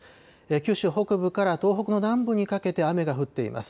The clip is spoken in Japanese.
九州北部から東北の南部にかけて雨が降っています。